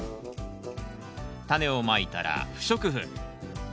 タネをまいたら不織布。